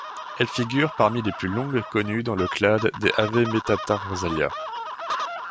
Elles figurent parmi les plus longues connues dans le clade des Avemetatarsalia.